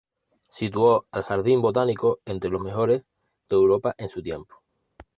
Situó al jardín botánico entre los mejores de Europa en su tiempo.